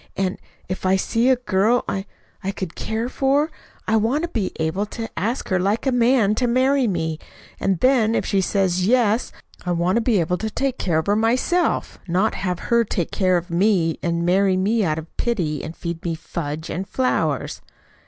And if I see a girl I I could care for, I want to be able to ask her like a man to marry me; and then if she says 'yes,' I want to be able to take care of her myself not have her take care of me and marry me out of pity and feed me fudge and flowers!